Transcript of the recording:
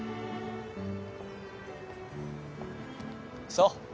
そう。